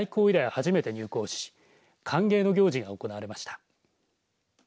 初めて入港し歓迎の行事が行われました。